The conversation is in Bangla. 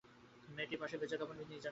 মেয়েটির পাশে ভেজা-কাপড়ে নিজাম সাহেব।